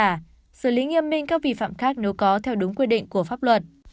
và xử lý nghiêm minh các vi phạm khác nếu có theo đúng quy định của pháp luật